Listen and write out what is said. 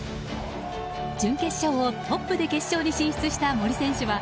準決勝をトップで決勝に進出した森選手は